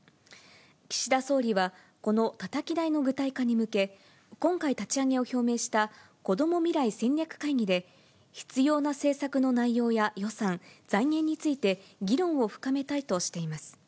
岸田総理は、このたたき台の具体化に向け、今回立ち上げを表明したこども未来戦略会議で、必要な政策の内容や予算、財源について、議論を深めたいとしています。